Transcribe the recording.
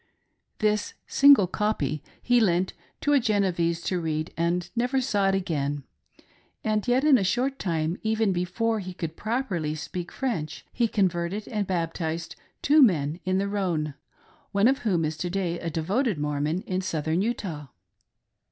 This single copy he HOW THE TAILOR WAS ORDAINED A PRIEST. IlS lent to a Genevese to read, and never saw it again ; and yet in a short time, even before he could properly speak French, he converted and baptized two men in the Rhone, one of whom is to day a devoted Mormon in Southern Utah.